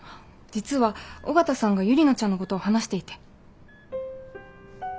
実は尾形さんがユリナちゃんのことを話していて。